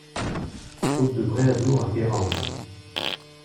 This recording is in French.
Route de Bréhadour à Guérande